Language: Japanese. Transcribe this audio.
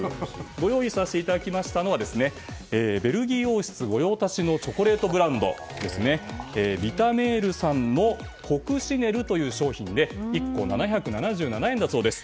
ご用意させていただいたのはベルギー王室御用達のチョコレートブランドヴィタメールさんのコクシネルという商品で１個、７７７円だそうです。